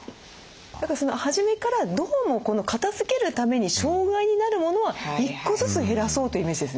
だから初めからどうもこの片づけるために障害になるモノは１個ずつ減らそうというイメージですね。